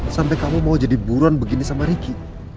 sampai kamu mau jadi buron begini sama ricky